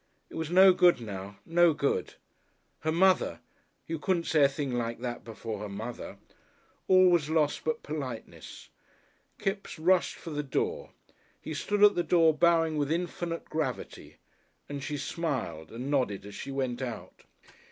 It was no good now, no good. Her mother! You couldn't say a thing like that before her mother! All was lost but politeness. Kipps rushed for the door. He stood at the door bowing with infinite gravity, and she smiled and nodded as she went out.